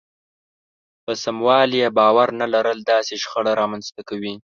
په سموالي يې باور نه لرل داسې شخړه رامنځته کوي.